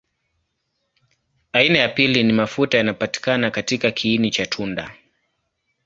Aina ya pili ni mafuta yanapatikana katika kiini cha tunda.